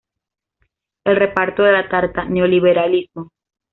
El reparto de la tarta", "Neoliberalismo.